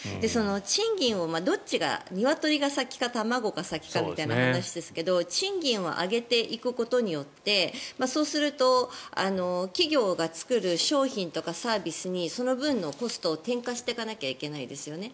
賃金をどっちがニワトリが先か卵が先かという話ですが賃金を上げていくことによってそうすると企業が作る商品とかサービスにその分のコストを転嫁していかなければいけないですよね。